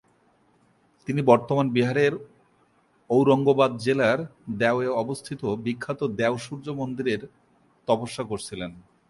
তিনি বর্তমান বিহারের ঔরঙ্গাবাদ জেলার দেও-এ অবস্থিত বিখ্যাত দেও সূর্য মন্দিরে তপস্যা করেছিলেন।